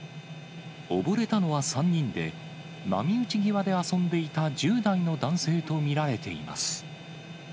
溺れたのは３人で、波打ち際で遊んでいた１０代の男性と見られています。